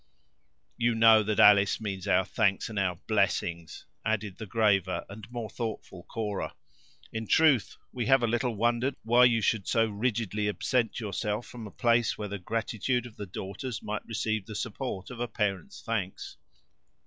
"You know that Alice means our thanks and our blessings," added the graver and more thoughtful Cora. "In truth, we have a little wonder why you should so rigidly absent yourself from a place where the gratitude of the daughters might receive the support of a parent's thanks."